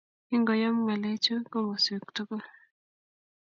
I-ngoyom ng'alechu komoswek tugul.